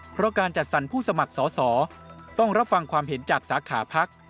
เพราะการจัดสรรผู้สมัครสอสอต้องรับฟังความเห็นจากสาขาพัก